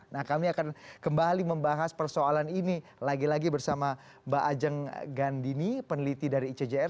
nah kami akan kembali membahas persoalan ini lagi lagi bersama mbak ajeng gandini peneliti dari icjr